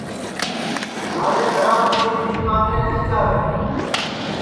مھارے گھرام کوئی بھی مانگٹؔیں نائی جاوے